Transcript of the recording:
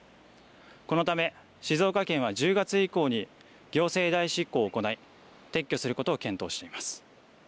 このため、静岡県は１０月以降に行政代執行を行い、撤去することを検討しています。